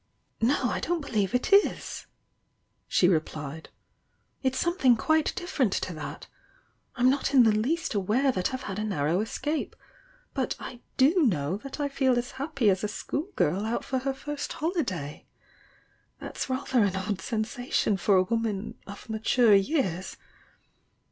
"No, I don't believe it is!" she replied. "It's some thing quite different to that. I'm not in the least aware that I've had a narrow escape!— but I do know that I feel as happy as a schoolgirl out for her first holiday! That's rather an odd sensation for a woman 'of mature years!'